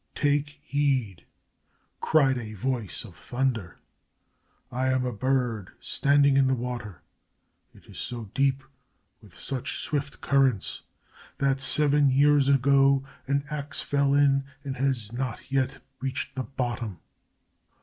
"Take heed," cried a voice of thunder. "I am a bird standing in the water. It is so deep, with such swift currents, that seven years ago an axe fell in and has not yet reached the bottom."